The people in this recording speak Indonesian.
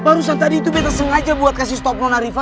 barusan tadi itu kita sengaja buat kasih stop mona riva